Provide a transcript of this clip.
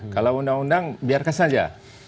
kalau undang undang biarkan saja